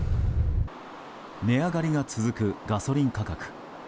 値上がりが続くガソリン価格。